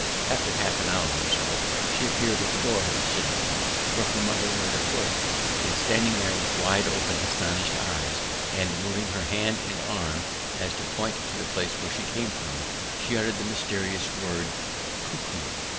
After half an hour or so she appeared at the door of the sitting room where her mother was at work, and standing there with wide open astonished eyes and moving her hand and arm as if to point to the place she came from, she uttered the mysterious word ku ku.